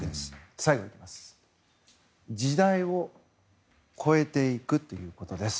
最後、時代を超えていくということです。